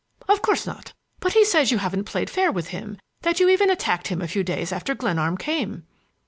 "Of course not. But he says you haven't played fair with him, that you even attacked him a few days after Glenarm came."